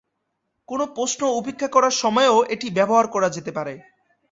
কোনো প্রশ্ন উপেক্ষা করার সময়ও এটি ব্যবহার করা যেতে পারে।